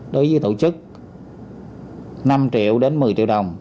đối với tổ chức năm triệu đến một mươi triệu đồng